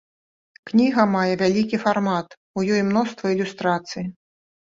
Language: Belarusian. Кніга мае вялікі фармат, у ёй мноства ілюстрацый.